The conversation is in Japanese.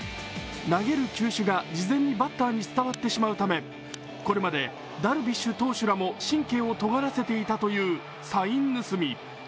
投げる球種が事前にバッターに伝わってしまうためこれまでダルビッシュ投手らも神経をとがらせていたというサイン盗み。